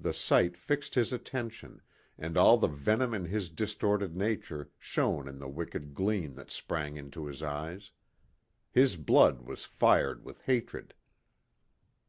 The sight fixed his attention, and all the venom in his distorted nature shone in the wicked gleam that sprang into his eyes. His blood was fired with hatred.